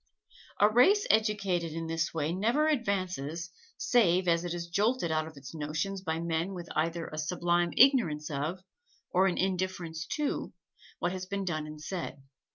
A race educated in this way never advances, save as it is jolted out of its notions by men with either a sublime ignorance of, or an indifference to, what has been done and said.